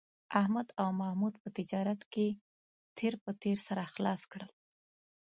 احمد او محمود په تجارت کې تېر په تېر سره خلاص کړل